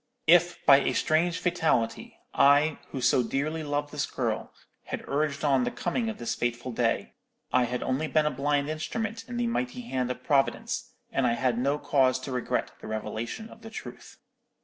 If, by a strange fatality, I, who so dearly loved this girl, had urged on the coming of this fatal day, I had only been a blind instrument in the mighty hand of Providence, and I had no cause to regret the revelation of the truth.